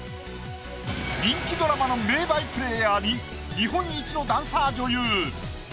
人気ドラマの名バイプレイヤーに日本一のダンサー女優。